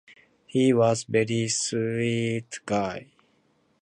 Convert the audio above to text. He was a very sweet guy.